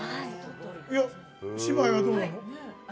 姉妹はどうなの？